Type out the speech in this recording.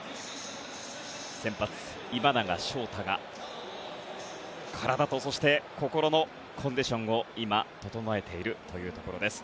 先発、今永昇太が体とそして心のコンディションを今、整えているというところです。